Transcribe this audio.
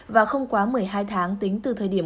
và không quá một mươi hai tháng tính từ thời điểm